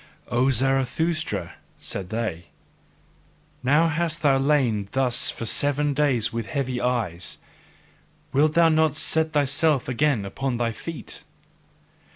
"O Zarathustra," said they, "now hast thou lain thus for seven days with heavy eyes: wilt thou not set thyself again upon thy feet?